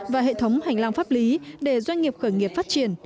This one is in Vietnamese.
và hệ thống hành lang pháp lý để doanh nghiệp khởi nghiệp phát triển